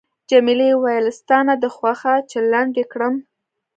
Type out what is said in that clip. جميلې وويل:، ستا نه ده خوښه چې لنډ یې کړم؟